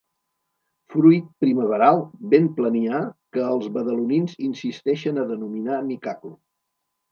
Fruit primaveral ben planià que els badalonins insisteixen a denominar micaco.